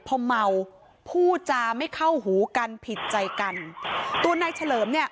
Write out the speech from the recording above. พอเมาพูดจาไม่เข้าหูกันผิดใจกันตัวนายเฉลิมเนี่ย